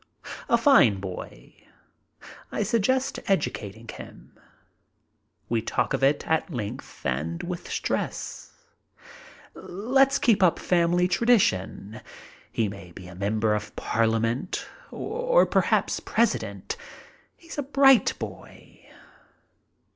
A fine boy. I suggest educating him. We talk of it at length and with stress. "Let's keep up FAREWELLS TO PARIS AND LONDON 141 family tradition. He may be a member of Parliament or perhaps President. He's a bright boy."